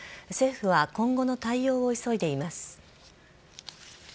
政府は今後の対応を急いでいます。